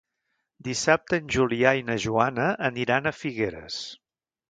Dissabte en Julià i na Joana aniran a Figueres.